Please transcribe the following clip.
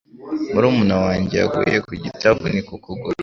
Murumuna wanjye yaguye ku giti avunika ukuguru.